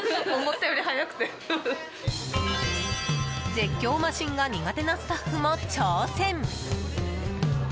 絶叫マシンが苦手なスタッフも挑戦！